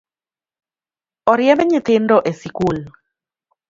Oriemb nyithindo e sikul